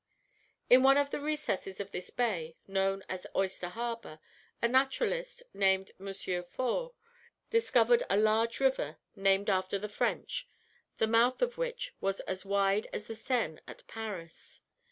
In one of the recesses of this bay, known as Oyster Harbour, a naturalist, named M. Faure, discovered a large river, named after the French, the mouth of which was as wide as the Seine at Paris.